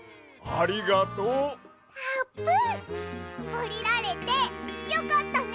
おりられてよかったね！